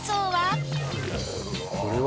これは。